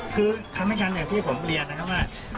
คือคำให้การอย่างที่ผมเรียนนะครับว่า